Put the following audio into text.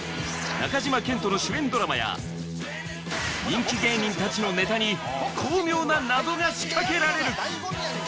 中島健人の主演ドラマや人気芸人たちのネタに巧妙な謎が仕掛けられる！